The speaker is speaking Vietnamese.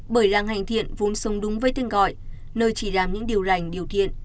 bởi làng hành thiện vốn sống đúng với tên gọi nơi chỉ đám những điều rành điều thiện